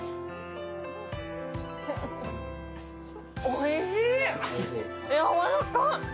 おいしい。